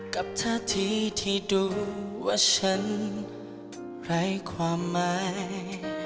กับท่าทีที่ดูว่าฉันไร้ความหมาย